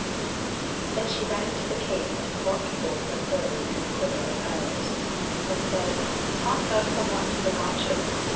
Then she ran into the cave and brought forth a bow and a quiver of arrows, and said: "Art thou somewhat of an archer?"